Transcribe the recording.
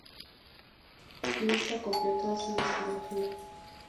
Lista completa de su discografía.